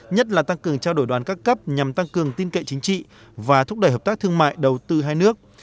nhất là tăng cường trao đổi đoàn các cấp nhằm tăng cường tin cậy chính trị và thúc đẩy hợp tác thương mại đầu tư hai nước